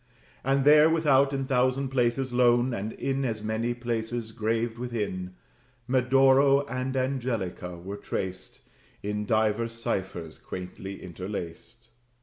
And there, without, in thousand places lone, And in as many places graved, within, Medoro and Angelica were traced, In divers ciphers quaintly interlaced.